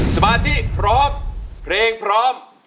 สมาธิพร้อมเพลงพร้อม